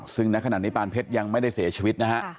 ซึ่งณขณะนี้ปานเพชรยังไม่ได้เสียชีวิตนะฮะ